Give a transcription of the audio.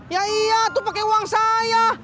ya iya tuh pakai uang saya